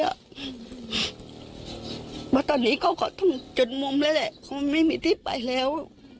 เพราะตอนนี้เขาก็ต้องจนมุมแล้วแหละเขาไม่มีที่ไปแล้ว